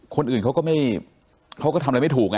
คนอื่นเขาก็ทำอะไรไม่ถูก